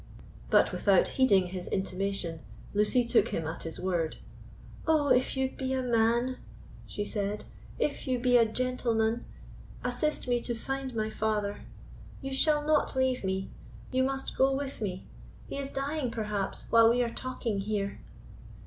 But, without heeding this intimation, Lucy took him at his word. "Oh, if you be a man," she said—"if you be a gentleman, assist me to find my father! You shall not leave me—you must go with me; he is dying perhaps while we are talking here!"